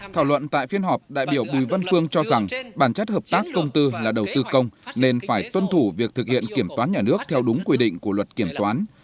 thảo luận tại phiên họp đại biểu bùi văn phương cho rằng bản chất hợp tác công tư là đầu tư công nên phải tuân thủ việc thực hiện kiểm toán nhà nước theo đúng quy định của luật kiểm toán